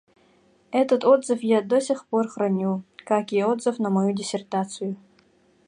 Этот отзыв я до сих пор храню, как и отзыв на мою диссертацию.